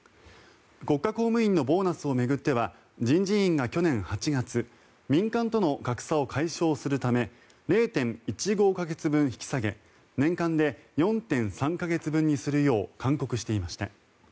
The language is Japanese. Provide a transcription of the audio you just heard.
国家公務員のボーナスを巡っては人事院が去年８月民間との格差を解消するため０．１５か月分引き下げ年間で４．３か月分にするよう勧告していました。